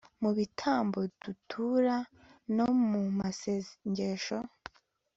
mu bitambo dutura no mu masengesho